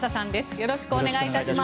よろしくお願いします。